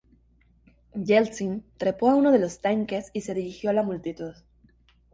Yeltsin trepó a uno de los tanques y se dirigió a la multitud.